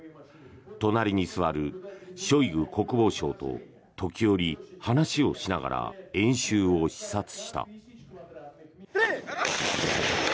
隣に座るショイグ国防相と時折、話をしながら演習を視察した。